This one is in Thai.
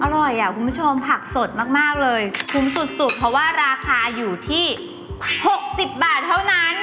อร่อยอ่ะคุณผู้ชมผักสดมากเลยคุ้มสุดเพราะว่าราคาอยู่ที่๖๐บาทเท่านั้น